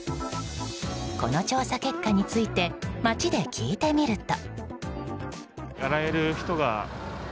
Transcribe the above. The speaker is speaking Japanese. この調査結果について街で聞いてみると。